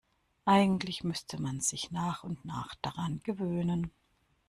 Eigentlich müsste man sich nach und nach daran gewöhnen.